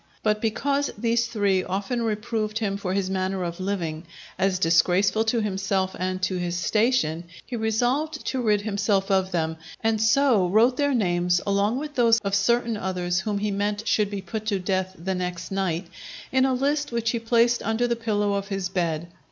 But because these three often reproved him for his manner of living, as disgraceful to himself and to his station, he resolved to rid himself of them; and so wrote their names, along with those of certain others whom he meant should be put to death the next night, in a list which he placed under the pillow of his bed.